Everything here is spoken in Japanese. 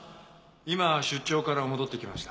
今出張から戻ってきました。